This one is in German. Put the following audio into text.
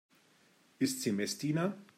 Ist sie Messdiener?